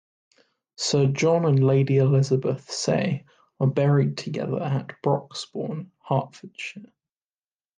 Sir John and Lady Elizabeth Say are buried together at Broxbourne, Hertfordshire.